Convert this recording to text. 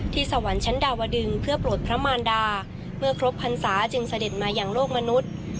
สวรรค์ชั้นดาวดึงเพื่อโปรดพระมารดาเมื่อครบพรรษาจึงเสด็จมาอย่างโลกมนุษย์